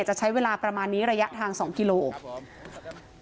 จะใช้เวลาประมาณนี้ระยะทาง๒กิโลกรัม